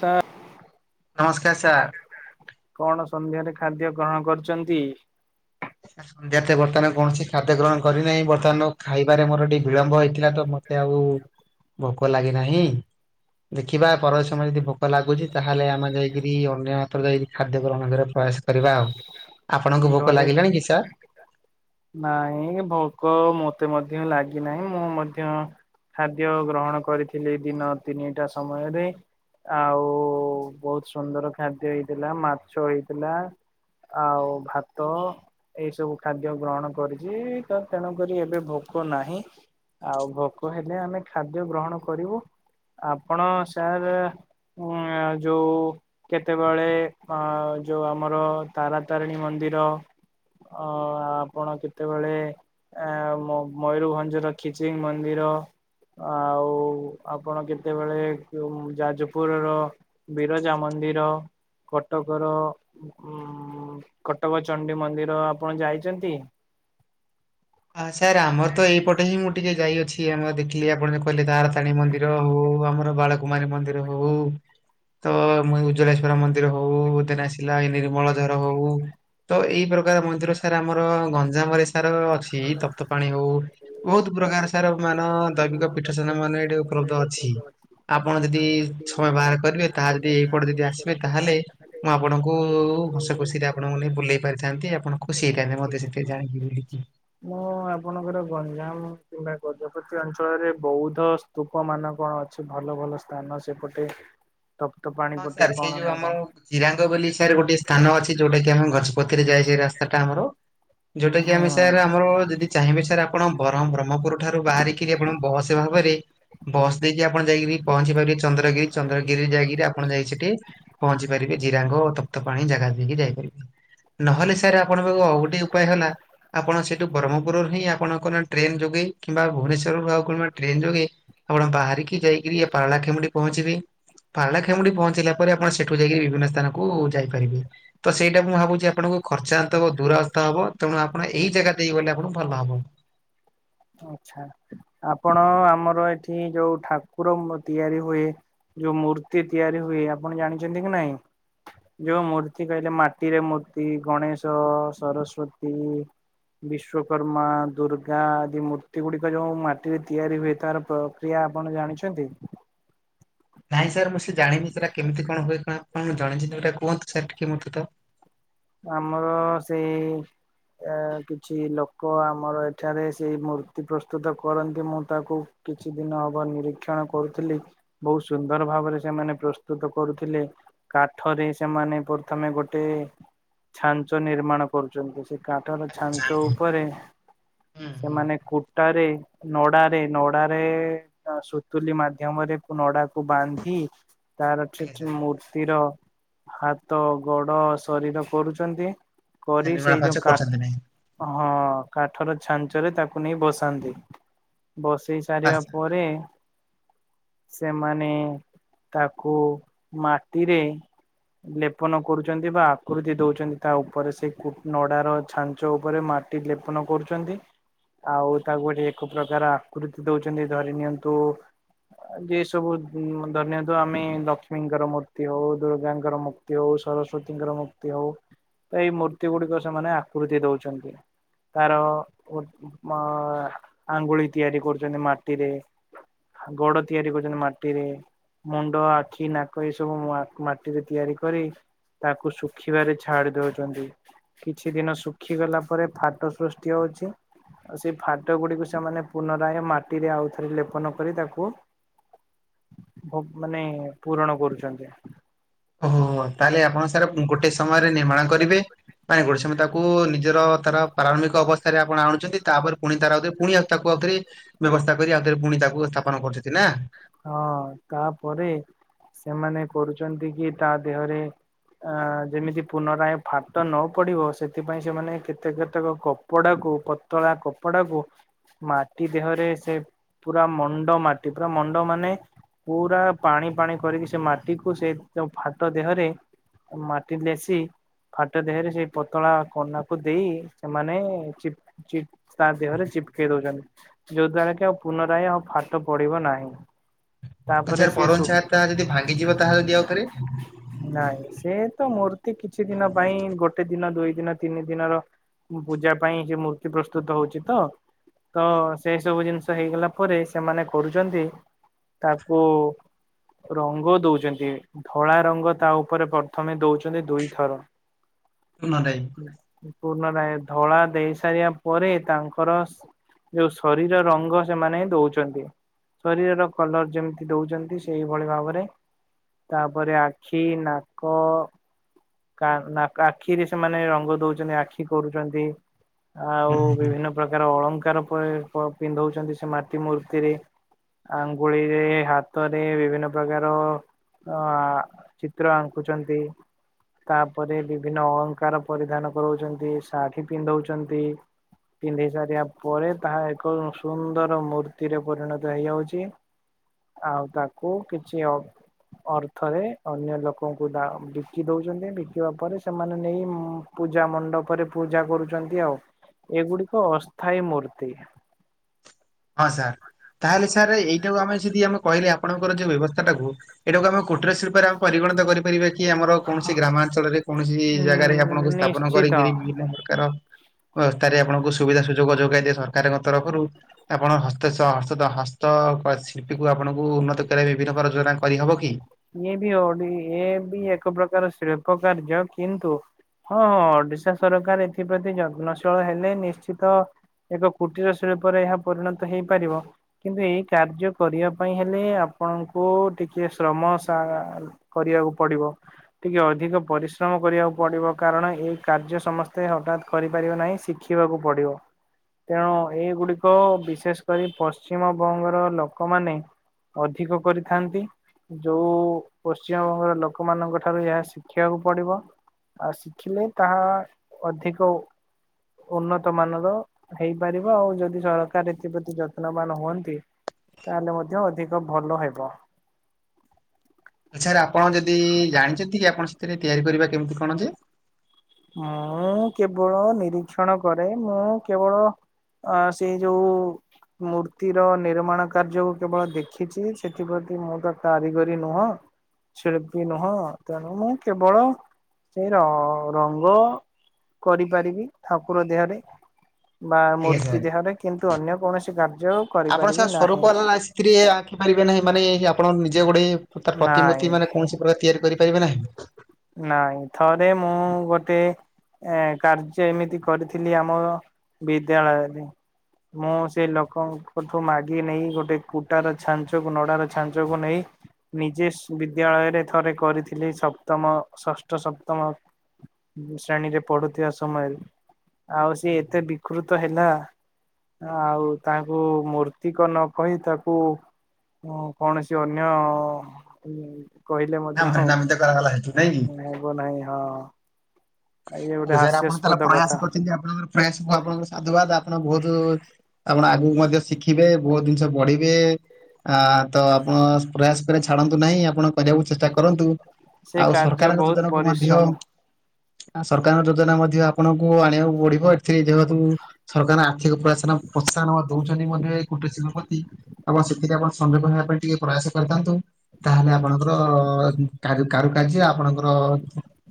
Sir. ନମସ୍କାର sir. କଣ ସନ୍ଧ୍ୟାରେ ଖାଦ୍ୟ ଗ୍ରହଣ କରିଚନ୍ତି? ହ ଜେତେ ବର୍ତ୍ତମାନ କୌଣସି ଖାଦ୍ୟ ଗ୍ରହଣ କରିନାହିଁ ବର୍ତ୍ତମାନ ଖାଇବାରେ ମୋର ଟିକେ ବିଳମ୍ବ ହେଇଥିଲା ତ ମୋତେ ଆଉ ଭୋକ ଲାଗେ ନାହିଁ। ଦେଖିବା ପର ସମୟ ଯଦି ଭୋକ ଲାଗୁଛି ତାହେଲେ ଆମେ ଯାଇକରି ଅନ୍ୟ ମାତ୍ର ଯାଇକିରି ଖାଦ୍ୟ ଗ୍ରହଣ କରିବା ପ୍ରୟାସ କରିବା ଆଉ। ଆପଣଙ୍କୁ ଭୋକ ଘରେ। ଲାଗିଲାଣି କି ସାର୍? ନାଇଁ ଭୋକ ମତେ ମଧ୍ୟ ଲାଗିନାହିଁ ମୁଁ ମଧ୍ୟ ଖାଦ୍ୟ ଗ୍ରହଣ କରିଥିଲି ଦିନ ତିନିଟା ସମୟରେ। ଆଉ ବହୁତ ସୁନ୍ଦର ଖାଦ୍ୟ ହେଇଥିଲା ମାଛ ହେଇଥିଲା। ଆଉ ଭାତ। ଏଇ ସବୁ ଖାଦ୍ୟ ଗ୍ରହଣ କରିଚି ତ ତେଣୁକରି ଏବେ ଭୋକ ନାହିଁ। ଆଉ ଭୋକ ହେଲେ ଆମେ ଖାଦ୍ୟ ଗ୍ରହଣ କରିବୁ ଆପଣ ସାର୍ ହଁ ଯୋଉ କେତେବେଳେ ଅ ଯୋଉ ଆମର ତାରାତାରିଣୀ ମନ୍ଦିର ଅ ଆପଣ କେତେବେଳେ ଆ ମୟୁରୁଭଞ୍ଜ ର ଖିଚିଙ୍ଗ ମନ୍ଦିର। ଆଉ ଆପଣ କେତେବେଳେ ଯୋଉ ଯାଜପୁର ର ବିରଜା ମନ୍ଦିର କଟକର ଉଁ କଟକ ଚଣ୍ଡୀ ମନ୍ଦିର ଆପଣ ଯାଇଚନ୍ତି? ଆରେ ସାର୍ ଆମର ତ ଏଇପଟେ ହିଁ ମୁଁ ଟିକେ ଯାଇଛି ଆମର ଦେଖିଲି ଆପଣ ଯେ କହିଲେ ତାର ଣୀ ମନ୍ଦିର ହୋଉ ଆମର ବାଳକୁମାରୀ ମନ୍ଦିର ହୋଉ ତ ମୁଁ ଇଉଜଲେଶ୍ଵର ମନ୍ଦିର ହୋଉ ବତେନ ଆସିଲା ଏ ନିର୍ମଳ ଧଝର ହଉ। ତ ଏଇ ପ୍ରକାର ମନ୍ଦିର ସାର୍ ଆମର ଗଞ୍ଜାମରେ ସାର୍ ଅଛି ତପ୍ତ ପାଣି ହଉ। ବହୁତ ପ୍ରକାର ସାର ମାନ ଦୈବିକ ପୀଠସନା ମାନ ଏଇଠି ଉପଲବ୍ଧ ଅଛି। ଆପଣ ଯଦି ସମୟ ବାହାର କରିବେ ତାହା ଯଦି ଏଇପଟେ ଯଦି ଆସିବେ ତାହେଲେ ମୁଁ ଆପଣଙ୍କୁ ହସ ଖୁସିରେ ଆପଣଙ୍କୁ ନେଇ ବୁଲେଇ ପାରିଥାନ୍ତି ଆପଣ ଖୁସି ହେଇଥାନ୍ତେ ମତେ ସେତେ ଜାଣିକି ବୁଲିକି ମୁଁ ଆପଣଙ୍କର ଗଞ୍ଜାମ କିମ୍ବା ଗଜପତି ଅଞ୍ଚଳରେ ବୌଦ୍ଧ ତୁପ ମାନ କଣ ଅଛି ଭଲ ଭଲ ସ୍ଥାନ ସେପଟେ ତପ୍ତ ପାଣି ପଟେ କଣ ନା କଣ? ଚିରାଙ୍ଗ ବୋଲି ସାର୍‌ ଗୋଟେ ସ୍ଥାନ ଅଛି ଯୋଉଟା କିି ଆମେ ଗଜପତିରେ ଯାଇଛି ଏ ରାସ୍ତାଟା ଆମର। ଯୋଉଟା କିି ଆମେ ହଁ। ସାର୍ ଆମର ଯଦି ଚାହିଁବେ ସାର୍ ଆପଣ ବର ବ୍ରହ୍ମପୁର ଠାରୁ ବାହାରିକିରି ଆପଣ ବସ୍ ଭାବରେ ବସ୍ ଦେଇକି ଆପଣ ଯାଇକିରି ପହଞ୍ଚି ପାରିବେ ଚନ୍ଦ୍ରଗିରି ଚନ୍ଦ୍ରଗିରି ଯାଇକିରି କଣ ଯାଇଛିି ଟି? ପହଞ୍ଚି ପାରିବେ ଜିରାଙ୍ଗ ତପ୍ତ ପାଣି ଜାଗା ଦେଇକି ଯାଇପାରିବେ। ନହେଲେ ସାର୍ ଆପଣଙ୍କ ପାଖକୁ ଆଉ ଗୋଟେ ଉପାୟ ହେଲା ଆପଣ ସେତୁ ବ୍ରହ୍ମପୁରୁ ହିଁ ଆପଣଙ୍କ ଟ୍ରେନ ଯୋଗେ କିମ୍ବା ଭୁବନେଶ୍ଵରୁୁ ଆଉ ଟ୍ରେନ ଯୋଗେ ଆପଣ ବାହାରିକି ଯାଇକିରି ପାଳା ଖେମୁଡ଼ି ପହଞ୍ଚିବେ। ପାଳା ଖେମୁୁଡି ପହଞ୍ଚିଲା ପରେ ଆପଣ ସେଠୁ ଯାଇକି ବିଭିନ୍ନ ସ୍ଥାନକୁ ଯାଇପାରିବେ। ତ ସେଇଟା ମୁଁ ଭାବୁଛି ଆପଣଙ୍କୁ ଖର୍ଚ୍ଚାନ୍ତ ହବ ଦୂରାସ୍ତା ହବ ତେଣୁ ଆପଣ ଏଇ ଜାଗା ଦେଇଗଲେ ଆପଣଙ୍କୁ ଭଲ ହବ। ଆଛା ଆପଣ ଆମର ଏଠି ଯୋଉ ଠାକୁର ମୁ ତିଆରି ହୁଏ। ଯୋଉ ମୂର୍ତ୍ତି ତିଆରି ହୁଏ ଆପଣ ଜାଣିଚନ୍ତି କି ନାଇଁ। ଯୋଉ ମୂର୍ତ୍ତି କହିଲେ ମାଟିରେ ମୂର୍ତ୍ତି ଗଣେଶ ସରସ୍ଵତୀ ବିଶ୍ଵକର୍ମା ଦୁର୍ଗା ଏ ମୂର୍ତ୍ତି ଗୁଡିକ ଯୋଉ ମାଟିରେ ତିଆରି ହୁଏ ତାର ପ୍ରକ୍ରିୟା ଆପଣ ଜାଣିଛନ୍ତି। ନାଇଁ ସାର୍ ମୁଁ ସେ ଜାଣିନି ସେଟା କେମିତି କଣ ହୁଏ କଣ ଜଣିିଛନ୍ତିଟା କୁହନ୍ତୁ ସାର୍ ଟିକେ ମତେ ତ। ଆମର ସେଇ ଏ କିଛି ଲୋକ ଆମର ଏଠାରେ ସେଇ ମୂର୍ତ୍ତି ପ୍ରସ୍ତୁତ କରନ୍ତି ମୁଁ ତାକୁ କିଛି ଦିନ ହବ ନିରୀକ୍ଷଣ କରୁଥିଲି। ବୋହୁ ସୁନ୍ଦର ଭାବରେ ସେମାନେ ପ୍ରସ୍ତୁତ କରୁଥିଲେ। କାଠରେ ସେମାନେ ପ୍ରଥମେ ଗୋଟେ ଛାଞ୍ଚ ନିର୍ମାଣ କରୁଚନ୍ତି ସେ କାଠର ଆଜ୍ଞା ଛାଞ୍ଚ ଆଜ୍ଞା ଉପରେ ହୁଁ ହୁଁ ସେମାନେ କୁଟାରେ ନଡାରେ ନଡାରେ ସୁତୁଲି ମାଧ୍ୟମରେ ନଡାକୁ ବାନ୍ଧି ତାର ଠିକ୍ ଆଜ୍ଞା ଠିକ୍ ସାର୍ ମୂର୍ତ୍ତିର ହାତ ଗୋଡ ଶରୀର କରୁଚନ୍ତି। ସାର୍ କରି ନିର୍ମାଣ ସେ ଯୋଉ କାର୍ଯ୍ୟ କା କରୁଛନ୍ତି ନାଇଁ ହଁ କାଠର ଛାଞ୍ଚରେ ତାକୁ ନେଇ ବସାନ୍ତି। ବସେଇ ସାରିବା ଆଚ୍ଛା। ପରେ ସେମାନେ ତାକୁ ମାଟିରେ ଲେପନ କରୁଚନ୍ତି ବା ଆକୃତି ଦେଉଚନ୍ତି ତା ଉପରେ ସେଇ ନଡ଼ାର ଛାଞ୍ଚ ଉପରେ ମାଟି ଲେପନ କରୁଚନ୍ତି। ଆଉ ତାକୁ ଏକ ପ୍ରକାର ଆକୃତି ଦଉଚନ୍ତି ଧରି ନିଅନ୍ତୁ ଯେ ସବୁ ଧରିନ୍ୟନ୍ତୁ ଆମେ ଲକ୍ଷ୍ମୀଙ୍କର ମୂର୍ତ୍ତି ହଉ ଦୁର୍ଗାଙ୍କର ମୂ ମୁର୍ତ୍ତି ହଉ ସରସ୍ଵତୀଙ୍କର ମୁର୍ତ୍ତି ହଉ ତ ଏଇ ମୂର୍ତ୍ତି ଗୁଡିକ ସେମାନେ ଆକୃତି ଦଉଚନ୍ତି। ତାର ମ ଆଙ୍ଗୁଳି ତିଆରି କରୁଚନ୍ତି ମାଟିରେ। ଗୋଡ ତିଆରି କରୁଚନ୍ତି ମାଟିରେ। ମୁଣ୍ଡ ଆଖି ନାକ ଏ ସବୁ ମାଟିରେ ତିଆରି କରି ତାକୁ ସୁଖ ଶୁଖିବାରେ ଛାଡି ଦଉଚନ୍ତି କିଛି ଦିନ ଶୁଖିଗଲା ପରେ ଫାଟ ସୃଷ୍ଟି ହଉଛି। ଆଉ ସେଇ ଫାଟ ଗୁଡିକୁ ସେମାନେ ପୁନରାଗ ମାଟିରେ ଆଉ ଥରେ ଲେପନ କରି ତାକୁ ଭୋ ମାନେ ପୂରଣ କରୁଛନ୍ତି। ଓହୋ ହୋ ତାଲେ ଆପଣ ସାର୍ ଗୋଟେ ସମୟରେ ନିର୍ମାଣ କରିବେ। ମାନେ ଗୋଟେ ସମ ତାକୁ ନିଜର ତାର ପ୍ରାରମ୍ଭିକ ଅବସ୍ଥାରେ ଆପଣ ଆଣୁଚନ୍ତି, ତାପରେ ପୁଣି ତାର ପୁଣି ତାକୁ ଆଉଥରେ ବ୍ୟବସ୍ଥା କରି ଆଉଥରେ ପୁଣି ତାକୁ ସ୍ଥାପନ କରୁଚନ୍ତି ନା। ହଁ ତାପରେ ସେମାନେ କରୁଚନ୍ତି କି ତା ଦେହରେ ଅ ଯେମିତି ପୁନରାୟ ଫାଟ ନ ପଡିବ ସେଥିପାଇଁ ସେମାନେ କେତେ କେତେକ କପଡାକୁ ପତଳା କପଡାକୁ ମାଟି ଦେହରେ ସେ ପୁରା ମଣ୍ଡ ମାଟି ପୁରା ମଣ୍ଡ ଫଟ ମାନେ ପୁରା ପାଣି ପାଣି କରିକି ସେ ମାଟିକୁ ସେ ଯୋଉ ଫାଟ ଦେହରେ ମାଟି ଲେସିି ଫାଟ ଦେହରେ ସେଇ ପତଳା କନାକୁ ଦେଇ ସେମାନେ ଚିପ ତା ଦେହରେ ଚିପ୍ କେଇ ଦଉଚନ୍ତି। ଯୋଉ ଦ୍ଵାରା କି ଆଉ ପୁନରାୟ ଆଉ ଫାଟ ପଡିବ ନାହିଁ। ତାପରେ ଆଛା ସିଏ ପର ସୁ ଚିଆର ତା ଯଦି ଭାଙ୍ଗିଯିବ ତାହେ ଯଦି ଭାଙ୍ଗିଯିବ ତାହେଲେ ଦିଅ ଆଉ ଥରେ। ନାଇଁ ସେ ତ ମୂର୍ତ୍ତି କିଛି ଦିନ ପାଇଁ ଗୋଟେ ଦିନ ଦୁଇ ଦିନ ତିନି ଦିନର ପୂଜା ପାଇଁ ସେ ମୂର୍ତ୍ତି ପ୍ରସ୍ତୁତ ହଉଚି ତ। ତ ସେଇ ସବୁ ଜିନିଷ ହେଇଗଲା ପରେ ସେମାନେ କରୁଛନ୍ତି ତାକୁ ରଙ୍ଗ ଦଉଛନ୍ତି ଧଳା ରଙ୍ଗ ତା ଉପରେ ପ୍ରଥମେ ଦଉଛନ୍ତି ଦୁଇଥର। [inaudible] ସୁନାଦେଇ ପୂର୍ଣ ଦାୟ ଧଳା ଦେଇ ସାରିବା ପରେ ତାଙ୍କର ଯୋଉ ଶରୀର ରଙ୍ଗ ସେମାନେ ଦଉଛନ୍ତି ଶରୀର ର କଲର ଯେମିତି ଦଉଚନ୍ତି ସେଇଭଳି ଭାବରେ ତାପରେ ଆଖି ନାକ ନାକ ଆଖିରେ ସେମାନେ ରଙ୍ଗ ଦଉଚନ୍ତି ଆଖି କରୁଚନ୍ତି। ଆଉ ବିଭିନ୍ନ ପ୍ରକାର ଅଳଙ୍କାର ପଏ ପ ପିନ୍ଧଉଛନ୍ତି ସେ ମାଟି ମୂର୍ତ୍ତିରେ। ଆଙ୍ଗୁଳିରେ ହାତରେ ବିଭିନ୍ନ ପ୍ରକାର ଅ ଚିତ୍ର ଆଙ୍କୁଛନ୍ତି। ତାପରେ ବିଭିନ୍ନ ଅଳଙ୍କାର ପରିଧାନ କରଉଚନ୍ତି ଶାଢ଼ୀ ପିନ୍ଧଉଚନ୍ତି। ପିନ୍ଧେଇ ସାରିଆ ପରେ ତାହା ଏକ ସୁନ୍ଦର ମୂର୍ତ୍ତିରେ ପରିଣତ ହେଇଯାଉଛି। ଆଉ ତାକୁ କିଛି ଅ ଅର୍ଥରେ ଅନ୍ୟ ଲୋକଙ୍କୁ ଦା ବିକି ଦଉଛନ୍ତି ବିକିବା ପରେ ସେମାନେ ନେଇ ମ୍ ପୂଜା ମଣ୍ଡପରେ ପୂଜା କରୁଚନ୍ତି ଆଉ ଏଗୁଡିକ ଅସ୍ଥାୟୀ ମୂର୍ତ୍ତି। ହଁ ସାର୍ ତାହେଲେ ସାର୍ ଏଇଟାକୁ ଆମେ ଯଦି ଆମେ କହିଲେ ଆପଣଙ୍କର ଯୋଉ ବ୍ୟବସ୍ଥାଟାକୁ। ଏଇଟାକୁ ଆମେ କୁଟୀର ଶିଳ୍ପରେ ଆମେ ପରିଗଣିତ କରିପାରିବା କି ଆମର? କୌଣସି ଗ୍ରାମାଞ୍ଚଳରେ କୌଣସି ଉ ଜାଗାରେ ଆପଣଙ୍କୁ ସ୍ଥାପନ ନିଶ୍ଚିତ। କରିକିରି ବିଭିନ୍ନ ପ୍ରକାର ଅବସ୍ଥାରେ ଆପଣଙ୍କୁ ସୁବିଧା ସୁଯୋଗ ଯୋଗାଇଦିଏ ସରକାରଙ୍କ ତରଫରୁ। ଆପଣ ହସ୍ତ, ସ ହସ୍ତତ୍ର ହସ୍ତଶିଳ୍ପୀକୁ ଆପଣଙ୍କୁ ଉନ୍ନତ କରିବା ବିଭିନ୍ନ ପ୍ରକାର ଯୋଜନା କରିହେବ କି? ଇଏ ବି ଓଡି ଇଏବି ଏକ ପ୍ରକାର ଶିଳ୍ପ କାର୍ଯ୍ୟ କିନ୍ତୁ ହଁ ହଁ ଓଡିଶା ସରକାର ଏଥିପ୍ରତି ଯତ୍ନଶୀଳ ହେଲେ ନିଶ୍ଚିତ ଏକ କୁଟୀର ଶିଳ୍ପରେ ଏହା ପରିଣତ ହେଇପାରିବ। କିନ୍ତୁ ଏଇ କାର୍ଯ୍ୟ କରିବା ପାଇଁ ହେଲେ ଆପଣଙ୍କୁ ଟିକେ ଶ୍ରମ ତା କରିବାକୁ ପଡିବ। ଟିକେ ଅଧିକ ପରିଶ୍ରମ କରିବାକୁ ପଡିବ କାରଣ ଏଇ କାର୍ଯ୍ୟ ସମସ୍ତେ ହଠାତ୍ କରିପାରିବ ନାହିଁ। ଶି ଶିଖିବାକୁ ପଡ଼ିବ। ତେଣୁ ଏଇଗୁଡିକ ବିଶେଷ କରି ପଶ୍ଚିମବଙ୍ଗର ଲୋକମାନେ ଅଧିକ କରିଥାନ୍ତି। ଯୋଉ ପଶ୍ଚିମବଙ୍ଗର ଲୋକମାନଙ୍କ ଠାରୁ ଏହା ଶିଖିଆକୁ ପଡିବ। ଆଉ ଶିଖିଲେ ତାହା ଅଧିକ ଉ ଉନ୍ନତ ମାନର ହେଇପାରିବ ଆଉ ଯଦି ସରକାର ଏଥିପ୍ରତି ଯତ୍ନବାନ ହୁଅନ୍ତି ତାହେଲେ ମଧ୍ୟ ଅଧିକ ଭଲ ହେବ। ସାର୍ ଆପଣ ଯଦି ଜାଣିଛନ୍ତି କି ଆପଣ ସ ସେଥିରେ ତିଆରି କରିବା କେମିତି କଣ ଯେ? ମୁଁ କେବଳ ନିରୀକ୍ଷଣ କରେ ମୁଁ କେବଳ ଅ ସେଇ ଯୋଉ ମୂର୍ତ୍ତି ର ନିର୍ମାଣ କାର୍ଯ୍ୟକୁ କେବଳ ଦେଖିଛି ସେଥିପ୍ରତି ମୁଁ ତ କାରିଗରୀ ନୁହଁ ଶିଳ୍ପୀ ନୁହଁ ତେଣୁ ମୁଁ କେବଳ ସେଇ ର ରଙ୍ଗ କରିପାରିବି ଠାକୁର ଦେହରେ। ବା ଆଜ୍ଞା ମୂର୍ତ୍ତି ସାର୍। ଦେହରେ କିନ୍ତୁ ଅନ୍ୟ କୌଣସି କାର୍ଯ୍ୟ କରିପାରିବି ନାହିଁ। ତ୍ରିରେ ଆଙ୍କି ପାରିବେ ନାହିଁ ମାନେ ଆପଣ ନିଜେ ଗୋଟେ ତାର ନାଇଁ ପ୍ରତିମୂର୍ତ୍ତି ମାନେ କୌଣସି ପୁରା ତିଆରି କରିପାରିବେ ନାହିଁ? ନାଇଁ ଥରେ ମୁଁ ଗୋଟେ ଏଁ କାର୍ଯ୍ୟ ଏମିତି କରିଥିଲି ଆମ ବିଦ୍ୟାଳୟରେ। ମୁଁ ସେଇ ଲୋକଙ୍କଠୁ ମାଗି ନେଇ ଗୋଟେ କୁଟାର ଛାଞ୍ଚକୁ ନଡାର ଛାଞ୍ଚକୁ ନେଇ ନିଜେ ସ ବିଦ୍ୟାଳୟରେ ଥରେ କରିଥିଲି ସପ୍ତମ ଷଷ୍ଠ ସପ୍ତମ ଶ୍ରେଣୀରେ ପଢୁଥିବା ସମୟରେ ଆଉ ସିଏ ଏତେ ବିକୃତ ହେଲା। ଆଉ ତାଙ୍କୁ ମୂର୍ତ୍ତିକ ନ କହି ତାକୁ ହ କୌଣସି ଅନ୍ୟ କହିଲେ ମଧ୍ୟ କରା ହେଲା ସେଠୁ ନାହିଁ। ହବ ନାହିଁ ହଁ। ଇଏ ଗୋଟେ ହଉ ସାର୍ ଆପଣ ତାହେଲେ ହାସ୍ୟାସ୍ପଦ କଥା। ପ୍ରୟାସ କରିଛନ୍ତି ଆପଣଙ୍କର ପ୍ରୟାସ ଆପଣଙ୍କର ସାଧୁବାଦ ଆପଣଙ୍କ ବହୁତ ଆପଣ ଆଗକୁ ମଧ୍ୟ ଶିଖିବେ ବହୁତ ଜିନିଷ ବଢିବେ। ଆ ତ ଆପଣ ପ୍ରୟାସ କ ଛାଡନ୍ତୁ ନାହିଁ ଆପଣ କରିବାକୁ ଚେଷ୍ଟା କରନ୍ତୁ। ସେ ଆଉ କାର୍ଯ୍ୟ ସରକାରଙ୍କ ବହୁତ ଯୋଜନା କୁ ମଧ୍ୟ ପରିଶ୍ରମୀ। ଆ ସରକାରଙ୍କ ଯୋଜନା ମଧ୍ୟ ଆପଣଙ୍କୁ ଆଣିବାକୁ ପଡିବ ଏଥିରେ ଯେହତୁ ସରକାର ଆର୍ଥିକ ପ୍ରୟସାନ ପ୍ରୋସାନ ଦଉଛନ୍ତି ମଧ୍ୟ ଏ କୋଟେ ଶପତି ଏବଂ ସେଥିରେ ଆପଣ ସଂଯୋଗ ହେବା ପାଇଁ ଟିକେ ପ୍ରୟାସ କରିଥାନ୍ତୁ। ତାହେଲେ ଆପଣଙ୍କର କାରୁକାର୍ଯ୍ୟ ଆପଣଙ୍କର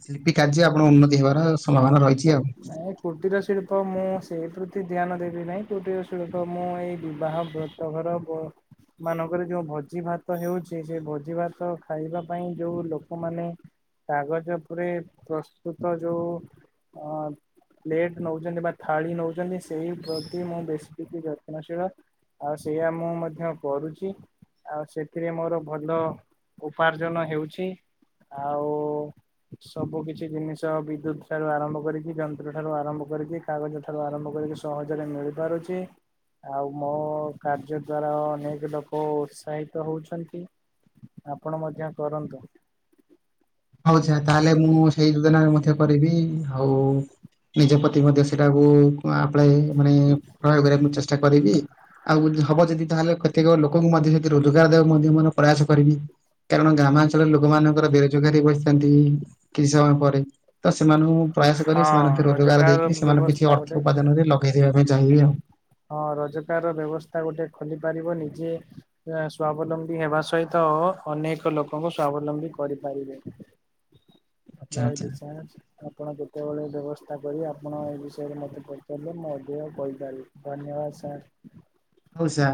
ଶିଳ୍ପୀ କାର୍ଯ୍ୟ ଆପଣ ଉନ୍ନତି ହେବାର ସମ୍ଭାବନା ରହିଛି ଆଉ। ନାଇଁ କୁଟୀର ଶିଳ୍ପ ମୁଁ ସେଇ ପ୍ରତି ଧ୍ୟାନ ଦେବି ନାହିଁ କୁଟୀର ଶିଳ୍ପ ମୁଁ ଏଇ ବିବାହ ପ ତ ଘର ବ ମାନଙ୍କରେ ଯୋଉ ଭୋଜି ଭାତ ହେଉଛି ସେ ଭୋଜି ଭାତ ଖାଇବା ପାଇଁ ଯୋଉ ଲୋକମାନେ କାଗଜ ଉପରେ ପ୍ରସ୍ତୁତ ଯୋଉ ଅ ପ୍ଲେଟ ନଉଛନ୍ତି ବା ଥାଳି ନଉଛନ୍ତି ସେଇ ପ୍ରତି ମୁଁ ବେଶୀ କିଛି ଯତ୍ନଶୀଳ। ଆଉ ସେଇଆ ମୁଁ ମଧ୍ୟ କରୁଛି। ଆଉ ସେଥିରେ ମୋର ଭଲ ଉପାର୍ଜନ ହେଉଛି। ଆଉ ସବୁ କିଛି ଜିନିଷ ବିଦ୍ୟୁତ ଠାରୁ ଆରମ୍ଭ କରିକି ଯନ୍ତୁ ଠାରୁ ଆରମ୍ଭ କରିକି କାଗଜ ଠାରୁ ଆରମ୍ଭ କରିକି ସହଜରେ ମିଳି ପାରୁଛି। ଆଉ ମୋ କାର୍ଯ୍ୟ ଦ୍ଵାରା ଅନେକ ଲୋକ ଉତ୍ସାହିତ ହଉଛନ୍ତି। ଆପଣ ମଧ୍ୟ କରନ୍ତୁ। ହଉଛା ତାହେଲେ ମୁଁ ସେଇ ଯୋଜନାରେ ମଧ୍ୟ କରିବି ଆଉ ନିଜ ପ୍ରତି ମଧ୍ୟ ସେଟାକୁ ଆପ ମାନେ ପ୍ରୟୋଗ କରିବାକୁଁ ଚେଷ୍ଟା କରିବି। ଆଉ ହବ ଯଦି ତାହେଲେ କେତେକ ଲୋକଙ୍କୁ ମଧ୍ୟ ରୋଜଗାର ଦେବ ମଧ୍ୟ ମାନେ ପ୍ରୟାସ କରବି। କାରଣ ଗ୍ରାମାଞ୍ଚଳରେ ଲୋକ ମାନଙ୍କର ବେରୋଜଗାର ବସିଥାନ୍ତି କିଛି ସମୟ ପରେ ତ ସେମାନଙ୍କୁ ପ୍ରୟାସ କରି ହଁ ସେମାନେ ରୋଜଗାର ଦେଇକରି ସେମାନଙ୍କୁ ବ୍ୟବସ୍ଥା କିଛି ଅର୍ଥ ଗୋଟେ ଉପାଦାନରେ ଲଗେଇ ଦେବା ପାଇଁ ଚାହିଁବି ଆଉ। ହଁ ରୋଜଗାର ବ୍ୟବସ୍ଥା ଗୋଟେ ଖୋଲି ପାରିବ ନିଜେ ସ୍ଵାବଲମ୍ବୀ ହେବା ସହିତ ଅନେକ ଲୋକଙ୍କୁ ସଵାବଲମ୍ବୀ କରିପାରିବେ। ଆଚ୍ଛା ଭାଇ ଆଚ୍ଛା। ଦ ସ ଆପଣ ଯେତେବେଳେ ବ୍ୟବସ୍ଥା କରି ଆପଣ ଏ ବିଷୟରେ ମୋତେ ପଚାରିଲେ ମୁଁ ଅଧିକ କହିପାରିବି। ଧନ୍ୟବାଦ ସାର୍। ହଉସା।